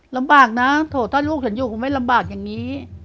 ลำบากนะโถถ้าลูกฉันอยู่คงไม่ลำบากอย่างนี้